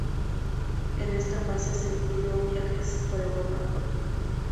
En esta fase se incluyó viajes por Europa.